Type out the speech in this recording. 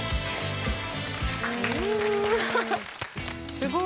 すごい。